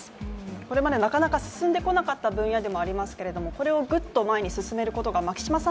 これまでなかなか進んでこなかった分野でもありますがこれをぐっと前に進めることが牧島さん